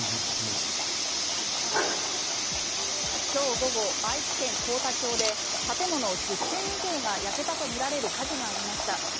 今日午後愛知県幸田町で建物１０軒以上が焼けたとみられる火事がありました。